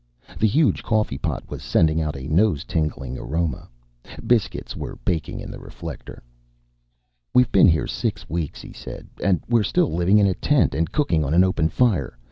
The huge coffee pot was sending out a nose tingling aroma. Biscuits were baking in the reflector. "We've been here six weeks," he said, "and we're still living in a tent and cooking on an open fire.